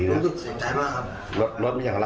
ก็คือว่าผมผิดไปแล้วครับ